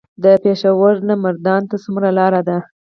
د پېښور نه مردان ته څومره لار ده؟